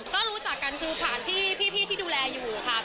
ก็รู้จักกันคือผ่านพี่ที่ดูแลอยู่ค่ะ